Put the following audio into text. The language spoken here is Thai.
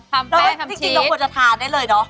ทำแป้งทำชีทแล้วก็จริงเราควรจะทานได้เลยเนอะ